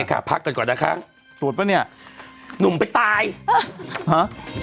พักกันก่อนนะคะตรวจป่ะเนี่ยหนุ่มไปตายฮะ